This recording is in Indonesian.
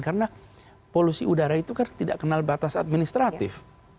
karena polusi udara itu kan tidak kenal batas administratif